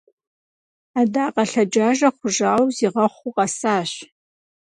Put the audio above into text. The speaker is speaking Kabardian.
Адакъэ лъэджажэ хъужауэ, зигъэхъуу къэсащ!